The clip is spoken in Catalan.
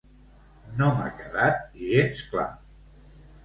No m'ha quedat gens clar.